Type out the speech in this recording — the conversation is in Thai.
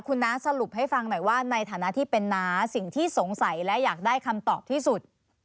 คุณน้าสรุปให้ฟังหน่อยว่าในฐานะที่เป็นน้าสิ่งที่สงสัยและอยากได้คำตอบที่สุด